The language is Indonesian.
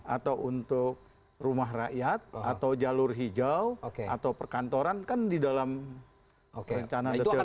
atau untuk rumah rakyat atau jalur hijau atau perkantoran kan di dalam rencana detail